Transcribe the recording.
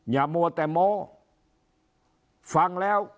อย่ามั่วแต่ม้อฟังแล้ว